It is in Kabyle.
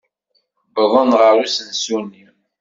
Wwḍen ɣer usensu-nni.